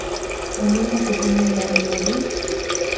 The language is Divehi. އެމީހަކު ބުނީ ވަރަށް މަޑުން